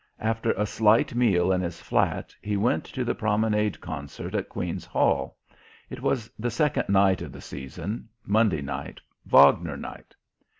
After a slight meal in his flat he went to the Promenade Concert at Queen's Hall. It was the second night of the season Monday night, Wagner night.